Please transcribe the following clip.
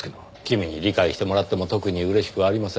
君に理解してもらっても特に嬉しくはありませんがねぇ。